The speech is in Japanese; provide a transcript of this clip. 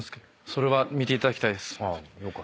それは見ていただきたいです。